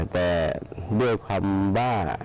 แต่เบื่อความบ้า